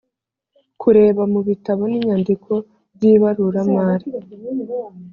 kureba mu bitabo n inyandiko by ibaruramari